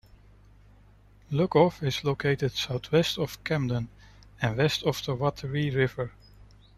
Lugoff is located southwest of Camden, and west of the Wateree River.